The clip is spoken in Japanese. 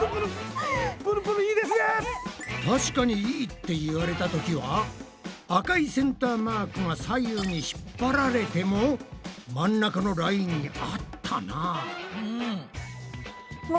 たしかにいいって言われたときは赤いセンターマークが左右に引っ張られても真ん中のラインにあったなぁ。